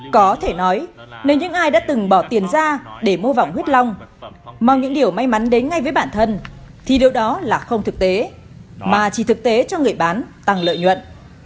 có thể nói nếu những ai đã từng bỏ tiền ra để mua vàng huyết long mong những điều may mắn đến ngay với bản thân thì điều đó là không thực tế mà chỉ thực tế cho người bán tăng lợi nhuận